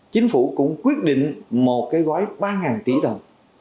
chính phủ cũng quyết định một cái gói ba tỷ đồng